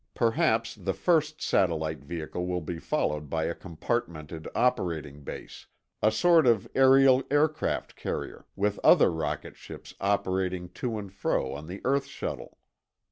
Perhaps the first satellite vehicle will be followed by a compartmented operating base, a sort of aerial aircraft carrier, with other rocket ships operating to and fro on the earth shuttle.